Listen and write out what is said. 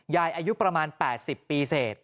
ยายอายุประมาณ๘๐ปีเศษ